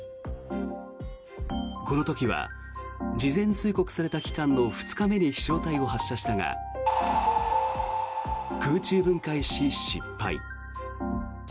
この時は、事前通告された期間の２日目に飛翔体を発射したが空中分解し、失敗。